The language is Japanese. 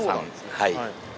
はい。